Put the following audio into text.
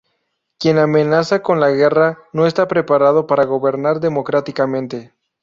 Quien amenaza con la guerra no está preparado para gobernar democráticamente.